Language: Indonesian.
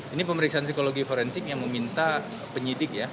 ini pemeriksaan psikologi forensik yang meminta penyidik ya